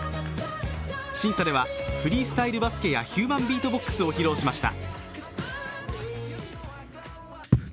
審査ではフリースタイルバスケやヒューマンビートボックスを披露しました。